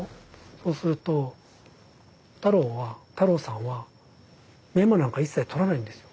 そうすると太郎さんはメモなんか一切取らないんですよ。